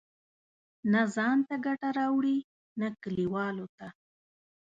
نه ځان ته ګټه راوړي، نه کلیوالو ته.